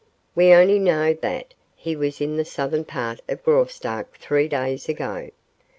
We only know that he was in the southern part of Graustark three days ago.